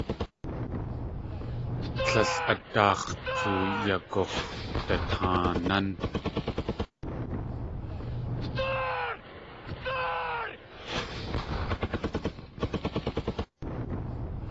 Tlél a daax̲ tuyagux̲dataanán.